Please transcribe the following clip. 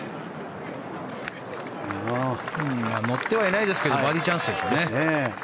乗ってはいないですけどバーディーチャンスですね。